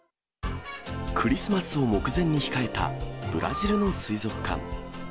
クリスマスを目前に控えたブラジルの水族館。